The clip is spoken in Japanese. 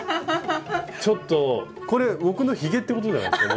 ちょっとこれ僕のひげってことじゃないですか？